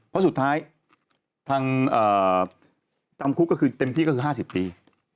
เพราะสุดท้ายทางจำคุกก็คือเต็มที่ก็คือ๕๐ปี